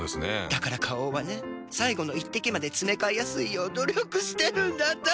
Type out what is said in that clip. だから花王はね最後の一滴までつめかえやすいよう努力してるんだって。